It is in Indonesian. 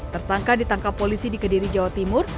tersangka ditangkap polisi di kediri jawa timur